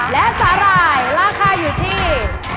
และสาหร่ายราคาอยู่ที่